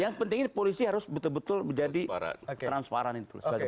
yang penting ini polisi harus betul betul menjadi transparan itu